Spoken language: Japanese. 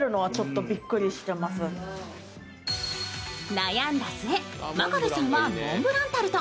悩んだ末、真壁さんはモンブランタルト。